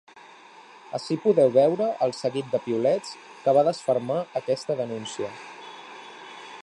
Ací podeu veure el seguit de piulets que va desfermar aquesta denúncia.